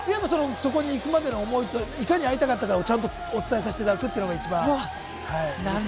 そこに行くまでの思いと、いかに会いたかったかとちゃんとお伝えさせていただくのが一番です。